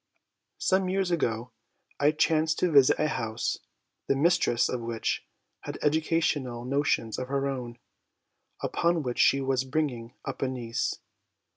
Some years ago I chanced to visit a house, the mistress of which had educational notions of her own, upon which she was bringing up a niece.